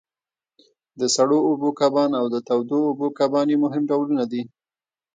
د سړو اوبو کبان او د تودو اوبو کبان یې مهم ډولونه دي.